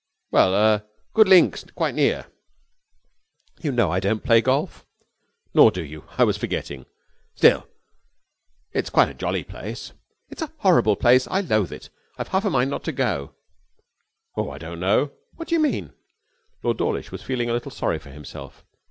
'Well er good links quite near.' 'You know I don't play golf.' 'Nor do you. I was forgetting. Still, it's quite a jolly place.' 'It's a horrible place. I loathe it. I've half a mind not to go.' 'Oh, I don't know.' 'What do you mean?' Lord Dawlish was feeling a little sorry for himself.